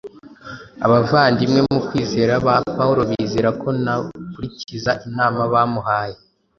Abavandimwe mu kwizera ba Pawulo bizera ko nakurikiza inama bamuhaye,